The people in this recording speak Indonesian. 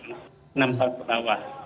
enam tahun ke bawah